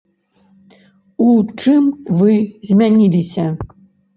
У чым вы змяніліся?